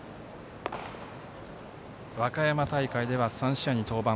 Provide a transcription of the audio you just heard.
和歌山大会では３試合に登板。